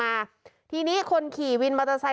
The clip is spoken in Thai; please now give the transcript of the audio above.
แล้วพี่วินแกจะเข้ามาเติมน้ำมันปั๊มครับ